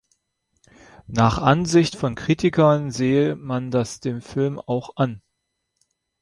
Nach Ansicht von Kritikern sehe man das dem Film auch an.